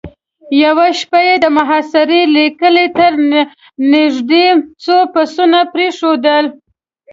يوه شپه يې د محاصرې ليکې ته نېزدې څو پسونه پرېښودل.